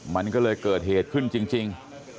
มันก็เลยเกิดเหตุขึ้นจริง